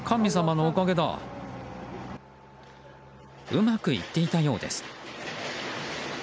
うまくいっていたようです。